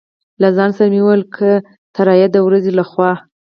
له ځان سره مې وویل: که الوتکه د ورځې له خوا.